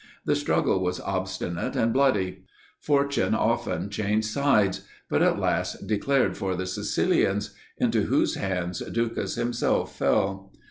The struggle was obstinate and bloody: fortune often changed sides; but at last declared for the Sicilians, into whose hands Ducas himself fell.